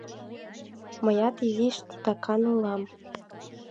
— Мыят изиш титакан улам.